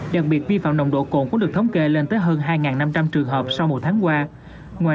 đặc biệt vi phạm nồng độ cồn cũng được thống kê lên tới hơn hai năm trăm linh trường hợp sau một tháng qua